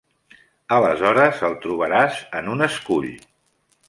Aleshores el trobaràs en un escull!